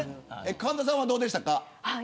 神田さんは、どうでしたか。